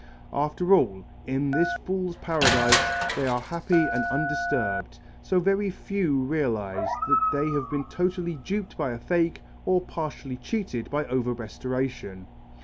After all, in this fool's paradise they are happy and undisturbed so very few realize either that they have been totally duped by a fake or partially cheated by over restoration.